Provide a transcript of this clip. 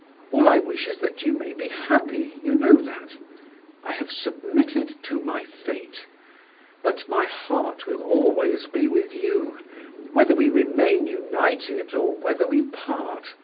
All I wish is that you may be happy, you know that. I have submitted to my fate; but my heart will always be with you, whether we remain united, or whether we part.